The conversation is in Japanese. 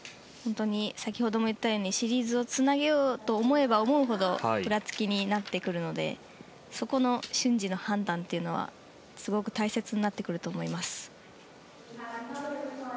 先ほども言ったようにシリーズをつなげようと思えば思うほどふらつきになってくるのでそこの瞬時の判断というのはすごく大切になってくると思います。